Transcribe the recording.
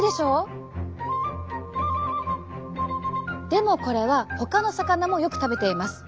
でもこれはほかの魚もよく食べています。